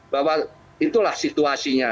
bahwa itulah situasinya